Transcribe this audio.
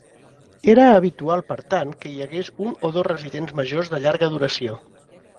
Era habitual per tant que hi hagués un o dos residents majors de llarga duració.